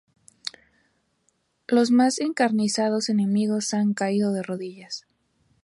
Los más encarnizados enemigos han caído de rodillas.